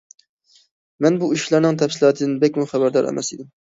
مەن بۇ ئىشلارنىڭ تەپسىلاتىدىن بەكمۇ خەۋەردار ئەمەس ئىدىم.